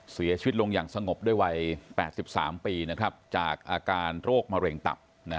เสียชีวิตลงอย่างสงบด้วยวัย๘๓ปีจากอาการโรคมะเร็งตับ